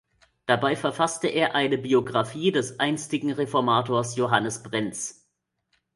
Dabei verfasste er eine Biographie des einstigen Reformators Johannes Brenz.